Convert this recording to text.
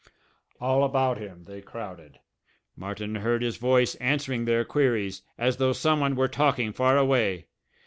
All about him they crowded; Martin heard his voice answering their queries, as though someone were talking far away.